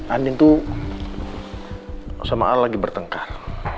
andin tuh sama al lagi bertengkar